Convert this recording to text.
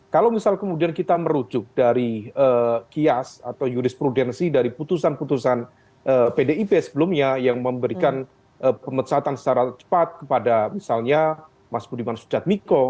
kalau misal kemudian kita merujuk dari kias atau jurisprudensi dari putusan putusan pdip sebelumnya yang memberikan pemecatan secara cepat kepada misalnya mas budiman sujadmiko